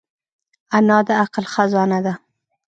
انا د عقل خزانه ده